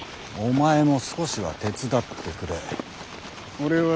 お前も少しは手伝ってくれ。